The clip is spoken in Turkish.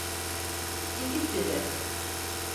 İkisi de.